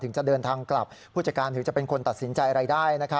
จะเดินทางกลับผู้จัดการถึงจะเป็นคนตัดสินใจอะไรได้